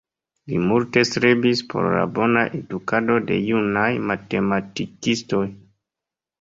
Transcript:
Li multe strebis por la bona edukado de junaj matematikistoj.